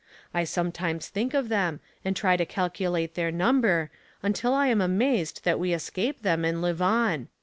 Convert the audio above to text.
I sometimes think of them, and try to calculate their number, until I am amazed that we escape them and live on.